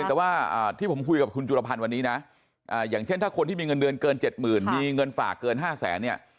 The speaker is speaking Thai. แต่ว่าที่ผมคุยกับคุณจุลพันธ์วันนี้นะอย่างเช่นถ้าคนที่มีเงินเดือนเกิน๗๐๐มีเงินฝากเกิน๕แสนเนี่ย